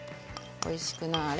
おいしくなあれ。